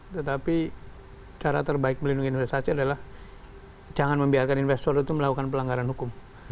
tetapi cara terbaik melindungi investasi adalah jangan membiarkan investor itu melakukan pelanggaran hukum